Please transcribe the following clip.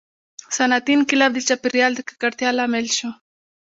• صنعتي انقلاب د چاپېریال د ککړتیا لامل شو.